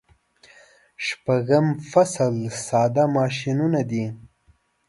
شپږم فصل ساده ماشینونه دي.